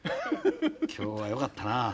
今日はよかったな。